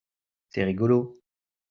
C'est rigolo.